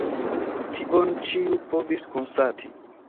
Tion ĉiu povis konstati.